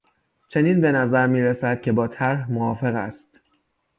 چنین به نظر میرسد که با طرح موافق است.